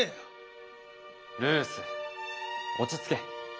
ルース落ち着け。